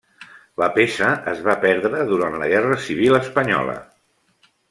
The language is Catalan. La peça es va perdre durant la Guerra civil espanyola.